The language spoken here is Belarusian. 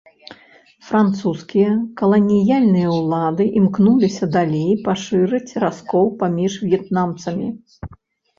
Французскія каланіяльныя ўлады імкнуліся далей пашырыць раскол паміж в'етнамцамі.